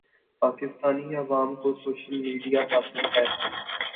پاکستانی عوام کو social media حاصل ہے